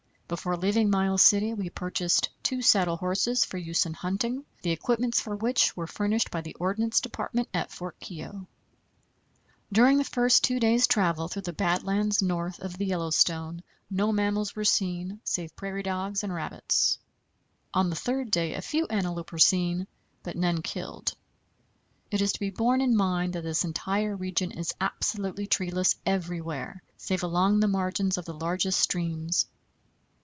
Before leaving Miles City we purchased two saddle horses for use in hunting, the equipments for which were furnished by the ordnance department at Fort Keogh. During the first two days' travel through the bad lands north of the Yellowstone no mammals were seen save prairie dogs and rabbits. On the third day a few antelope were seen, but none killed. It is to be borne in mind that this entire region is absolutely treeless everywhere save along the margins of the largest streams.